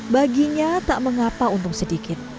baginya tak mengapa untung sedikit